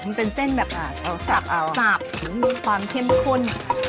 มันเป็นเส้นแบบสับมีความเข้มข้น